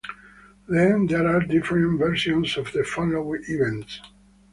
Then there are different versions of the following events.